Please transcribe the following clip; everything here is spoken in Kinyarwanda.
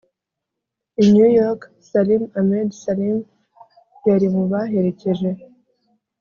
i new york, salim ahmed salim yari mu baherekeje